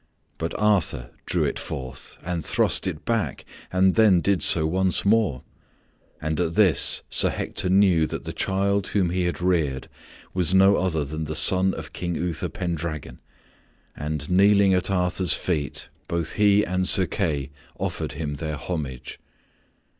But Arthur drew it forth and thrust it back and then did so once more and at this Sir Hector knew that the child whom he had reared was no other than the son of King Uther Pendragon, and kneeling at Arthur's feet, both he and Sir Kay offered him their homage.